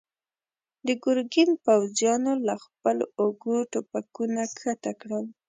د ګرګين پوځيانو له خپلو اوږو ټوپکونه کښته کړل.